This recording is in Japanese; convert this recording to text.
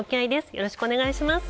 よろしくお願いします。